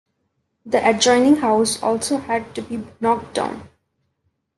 The adjoining house also had to be knocked down.